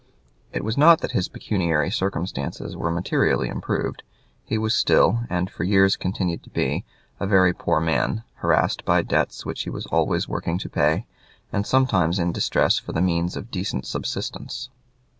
It was not that his pecuniary circumstances were materially improved. He was still, and for years continued to be, a very poor man, harassed by debts which he was always working to pay, and sometimes in distress for the means of decent subsistence.